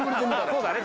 そうだね